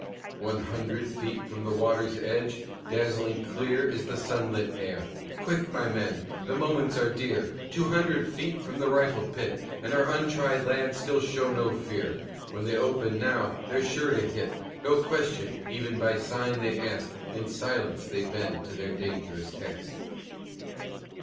One hundred feet from the water's edge, Dazzling clear is the sunlit air; Quick, my men, the moments are dear! Two hundred feet from the rifle pit, And our "untried" lads still show no fear When they open now they're sure to hit; No question, even by sign, they ask, In silence they bend to their dangerous task.